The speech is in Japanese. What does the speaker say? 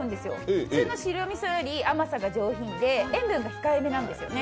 普通の白みそよりも甘さが上品で塩分が控えめなんですよね。